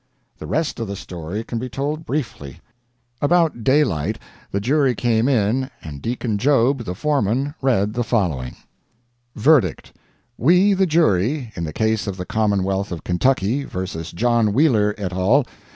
The rest of the story can be told briefly. About daylight the jury came in, and Deacon Job, the foreman, read the following: VERDICT: We, the jury in the case of the Commonwealth of Kentucky vs. John Wheeler et al.